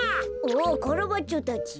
あカラバッチョたち。